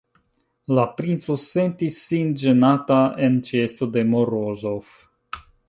La princo sentis sin ĝenata en ĉeesto de Morozov.